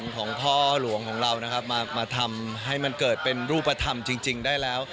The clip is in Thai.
ของพ่อหลวงของเรานะครับมาทำให้มันเกิดเป็นรูปธรรมจริงได้แล้ว